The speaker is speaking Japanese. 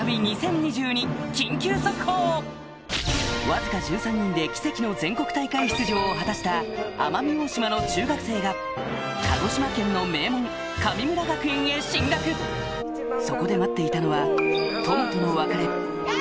わずか１３人で奇跡の全国大会出場を果たした奄美大島の中学生が鹿児島県のそこで待っていたのは頑張れ！